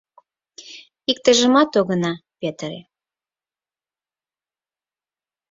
Иктыжымат огына петыре...